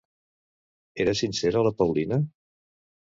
Era sincera la Paulina?